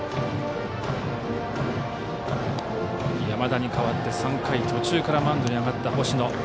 山田に代わって３回途中からマウンドに上がった星野。